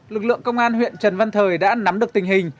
lực lượng công an huyện trần văn thời đã nắm được tình hình